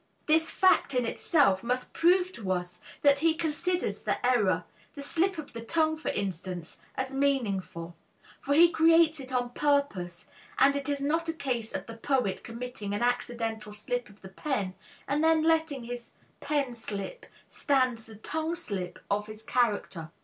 This fact in itself must prove to us that he considers the error, the slip of the tongue for instance, as meaningful; for he creates it on purpose, and it is not a case of the poet committing an accidental slip of the pen and then letting his pen slip stand as a tongue slip of his character.